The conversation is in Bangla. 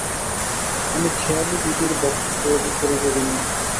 আমি খেয়ালী-বিধির বক্ষ করিব ভিন্ন।